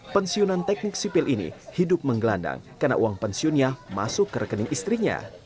pensiunan teknik sipil ini hidup menggelandang karena uang pensiunnya masuk ke rekening istrinya